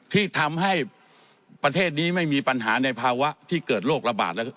ที่ทำให้ประเทศนี้ไม่มีปัญหาในภาวะที่เกิดโรคระบาด